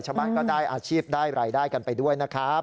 ชาวบ้านก็ได้อาชีพได้รายได้กันไปด้วยนะครับ